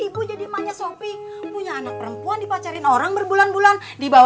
berarti dia sedang sedang rio